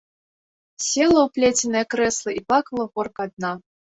Села ў плеценае крэсла і плакала горка адна.